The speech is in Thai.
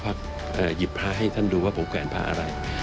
ผมก็หยิบภาคให้ท่านดูว่าผมแกวนภาคอะไร